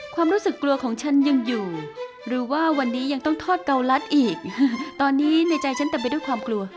ความรู้สึกกลัวของฉันยังอยู่หรือว่าวันนี้ยังต้องทอดเกาลัดอีกตอนนี้ในใจฉันเต็มไปด้วยความกลัว